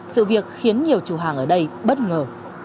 sự việc khiến nhiều chủ hàng ở đây bất ngờ